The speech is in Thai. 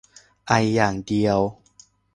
ไออย่างเดียว